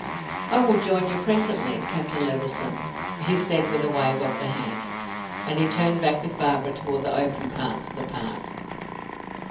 "I will join you presently, Captain Levison," he said with a wave of the hand. And he turned back with Barbara toward the open parts of the park.